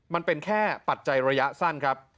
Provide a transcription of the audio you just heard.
มันเป็นแค่ปัจจัยระยะสั้นครับ